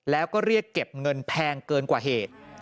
แล้วก็เรียกเก็บเงินแพงเกินกว่าเหตุ